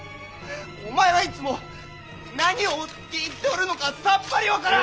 お前はいつも何を言っておるのかさっぱり分からん！